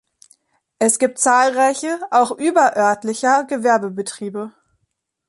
Es gibt zahlreiche auch überörtlicher Gewerbebetriebe.